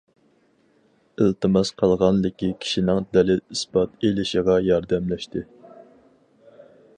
ئىلتىماس قىلغانلىكى كىشىنىڭ دەلىل ئىسپات ئېلىشىغا ياردەملەشتى.